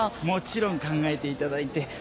もちろん考えていただいて。